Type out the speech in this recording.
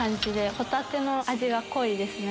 ホタテの味が濃いですね。